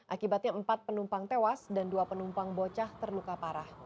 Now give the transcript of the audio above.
akibatnya empat penumpang tewas dan dua penumpang bocah terluka parah